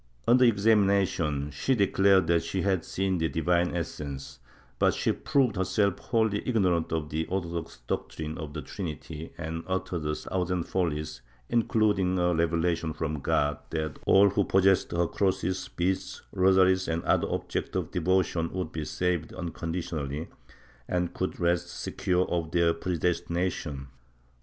Under examination, she declared that she had seen the Divine Essence, but she proved herself wholly ignorant of the orthodox doctrine of the Trinity and uttered a thousand follies, including a revelation from God that all who possessed her crosses, beads, rosaries or other objects of devotion would be saved unconditionally and could rest secure of their predestination.